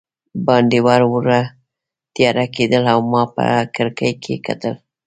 باندې ورو ورو تیاره کېدل او ما په کړکۍ کې کتل.